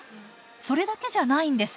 それだけじゃないんです。